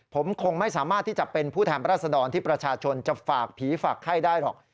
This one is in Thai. ผมคงไม่สามารถที่จะเป็นผู้แทนรัศดรที่ประชาชนจะฝากผีฝากไข้ได้หรอก